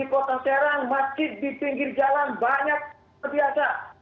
di kota serang masjid di pinggir jalan banyak seperti biasa